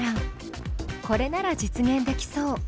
これなら実現できそう。